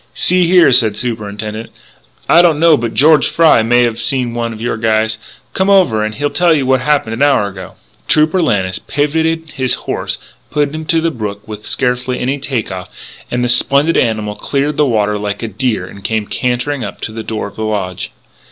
"See here," said the Superintendent, "I don't know but George Fry may have seen one of your guys. Come over and he'll tell you what happened an hour ago." Trooper Lannis pivotted his horse and put him to the brook with scarcely any take off; and the splendid animal cleared the water like a deer and came cantering up to the door of the lodge.